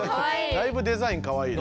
だいぶデザインかわいい。